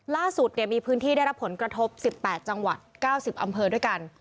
ล่าสุดมีพื้นที่ได้รับผลกระทบ๑๘จังหวัด๙๐อำเภอด้วยกัน